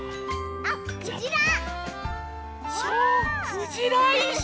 クジラいし！